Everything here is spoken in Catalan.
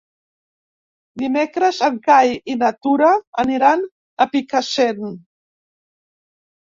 Dimecres en Cai i na Tura aniran a Picassent.